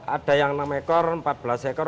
ada yang enam ekor empat belas ekor